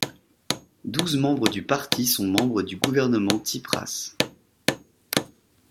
Douze membres du parti sont membres du gouvernement Tsípras.